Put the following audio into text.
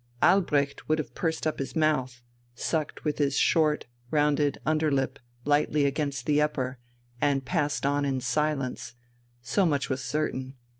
Albrecht would have pursed up his mouth, sucked with his short, rounded under lip lightly against the upper, and passed on in silence so much was certain.